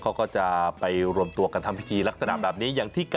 เขาก็จะไปรวมตัวกันทำพิธีลักษณะแบบนี้อย่างที่